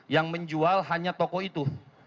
yang menjual hanya toko itu